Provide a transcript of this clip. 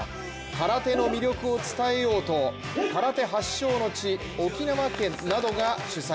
空手の魅力を伝えようと、空手発祥の地、沖縄県などが主催。